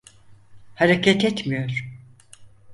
Hareket etmiyor.